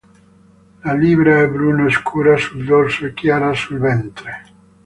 La livrea è bruno scura sul dorso e chiara sul ventre.